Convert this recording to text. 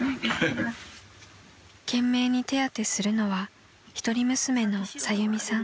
［懸命に手当てするのは一人娘のさゆみさん］